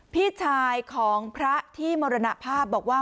พี่ชายของพระที่มรณภาพบอกว่า